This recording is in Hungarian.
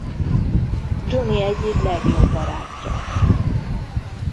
Johnny egyik legjobb barátja.